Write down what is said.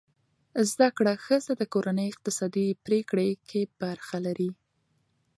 زده کړه ښځه د کورنۍ اقتصادي پریکړې کې برخه لري.